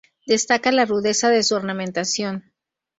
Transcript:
Destaca la rudeza de su ornamentación.